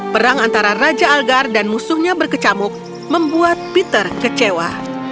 perang antara raja algar dan musuhnya berkecamuk membuat peter kecewa